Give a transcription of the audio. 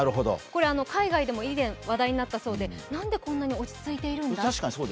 これ、海外でも以前、話題になっていたそうでなんでこんなに落ち着いているんだ？と。